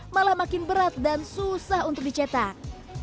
malah makin berat dan susah untuk dicetak